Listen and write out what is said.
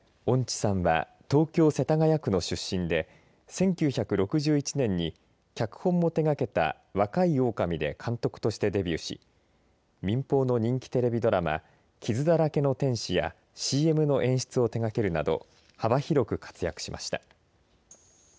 恩地さんは東京、世田谷区の出身で１９６１年に脚本も手がけた若い狼で監督としてデビューし民法の人気テレビドラマ傷だらけの天使やＣＭの演出などを手掛けるなど幅広く活躍しました。